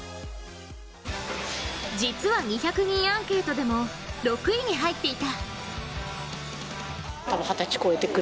実は、２００人アンケートでも６位に入っていた。